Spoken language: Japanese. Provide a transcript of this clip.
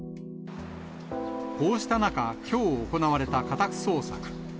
こうした中、きょう行われた家宅捜索。